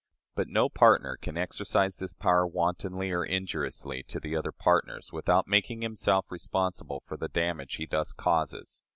But no partner can exercise this power wantonly and injuriously to the other partners, without making himself responsible for the damage he thus causes.